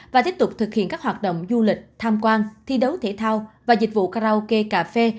và tiếp tục thực hiện các hoạt động du lịch tham quan thi đấu thể thao và dịch vụ karaoke cà phê